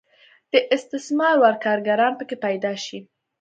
د استثمار وړ کارګران پکې پیدا شي.